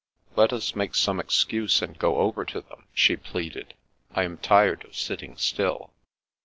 " Let us make some excuse, and go over to them," she pleaded. " I am tired of sitting still."